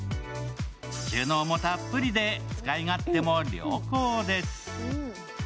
収納もたっぷりで使い勝手も良好です。